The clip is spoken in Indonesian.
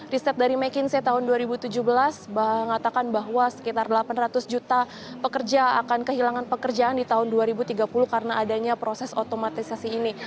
riset dari mckinse tahun dua ribu tujuh belas mengatakan bahwa sekitar delapan ratus juta pekerja akan kehilangan pekerjaan di tahun dua ribu tiga puluh karena adanya proses otomatisasi ini